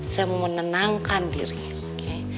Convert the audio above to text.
saya menenangkan diri oke